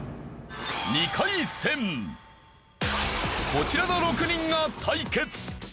こちらの６人が対決。